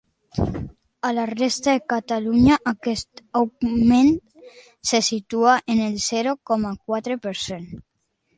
A la resta de Catalunya, aquest augment se situa en el zero coma quatre per cent.